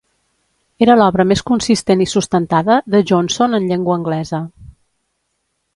Era l'obra més consistent i sustentada de Johnson en llengua anglesa.